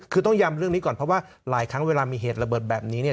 คือต้องย้ำเรื่องนี้ก่อนเพราะว่าหลายครั้งเวลามีเหตุระเบิดแบบนี้เนี่ย